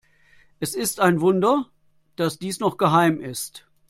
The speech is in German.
Es ist ein Wunder, dass dies noch geheim ist.